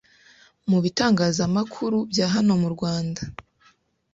mu bitangazamakuru bya hano mu Rwanda